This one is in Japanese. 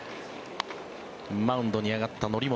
マウンドに上がった則本。